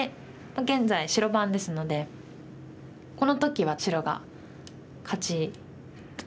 現在白番ですのでこの時は白が勝ちだと思います。